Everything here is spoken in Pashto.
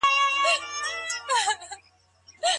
طبي پوهنځۍ بې دلیله نه تړل کیږي.